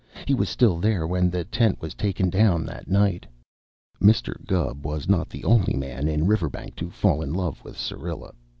He was still there when the tent was taken down that night. Mr. Gubb was not the only man in Riverbank to fall in love with Syrilla.